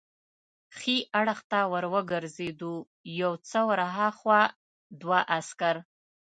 ښي اړخ ته ور وګرځېدو، یو څه ور هاخوا دوه عسکر.